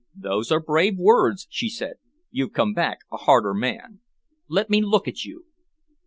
"Those are brave words," she said. "You've come back a harder man. Let me look at you."